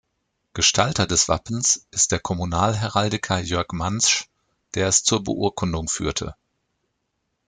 Gestalter des Wappens ist der Kommunalheraldiker Jörg Mantzsch, der es zur Beurkundung führte.